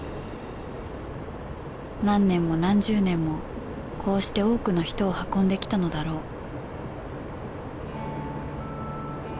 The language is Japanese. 何年も何十年もこうして多くの人を運んできたのだろう